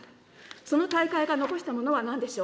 その大会が残したものはなんでしょう。